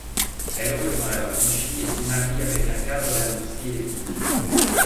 Elle rejoint alors Vichy et s'y marie avec un cadre de l'industrie électrique.